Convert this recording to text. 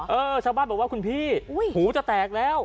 เออชาวบ้านบอกว่าคุณพี่หูจะแตกแล้ว